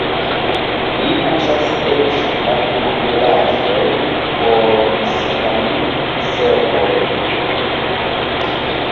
Li uzas eĉ naturbelaĵojn por misfamigi serbojn.